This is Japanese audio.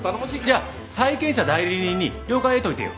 じゃあ債権者代理人に了解を得ておいてよ。